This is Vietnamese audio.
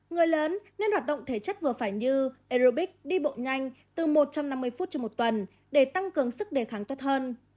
người lớn nên hoạt động thể chất vừa phải như aerobics đi bộ nhanh từ một trăm năm mươi phút trên một tuần để tăng cường sức đề kháng tốt hơn